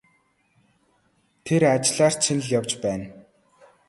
Тэр ажлаар чинь л явж байна.